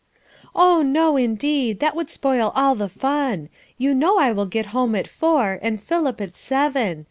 "Oh, no, indeed, that would spoil all the fun; you know I will get home at four and Philip at seven.